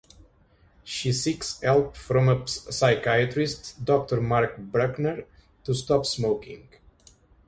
She seeks help from a psychiatrist, Doctor Mark Bruckner, to stop smoking.